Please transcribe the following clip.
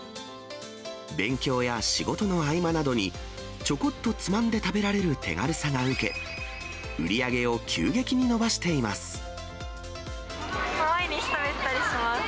勉強や仕事の合間などに、ちょこっとつまんで食べられる手軽さが受け、毎日食べてたりします。